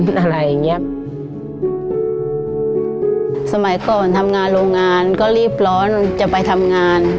สมัยก่อนทำงานโรงงานก็รีบร้อนจะไปทำงาน